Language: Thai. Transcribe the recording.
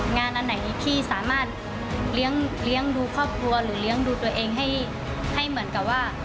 งานอันไหนที่สามารถเลี้ยงดูครอบครัวหรือเลี้ยงดูตัวเองให้เหมือนกับว่า